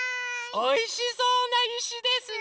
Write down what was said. おいしそうないしですね。